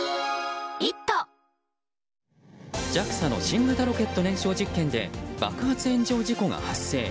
ＪＡＸＡの新型ロケット燃焼実験で爆発・炎上事故が発生。